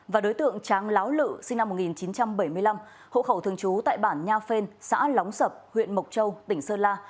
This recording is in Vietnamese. và đối tượng tráng láo lự sinh năm một nghìn chín trăm bảy mươi năm hộ khẩu thường trú tại bản nha phên xã lóng sập huyện mộc châu tỉnh sơn la